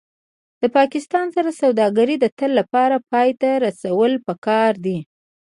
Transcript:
د پاکستان سره سوداګري د تل لپاره پای ته رسول پکار دي